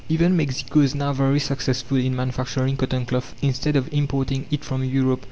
Even Mexico is now very successful in manufacturing cotton cloth, instead of importing it from Europe.